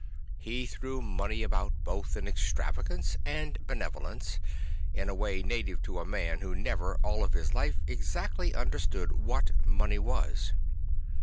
He threw money about both in extravagance and bene volence, in a way native to a man who never, all his life, exactly understood what money was.